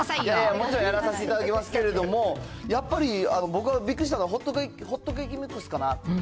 もちろんやらさせていただきますけれども、やっぱり、僕がびっくりしたのは、ホットケーキミックスかな。